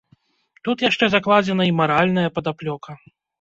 Тут яшчэ закладзена і маральная падаплёка.